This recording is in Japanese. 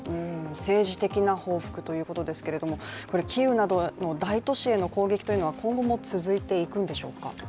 政治的な報復ということですけれども、キーウなどの大都市への攻撃は今後も続いていくんでしょうか。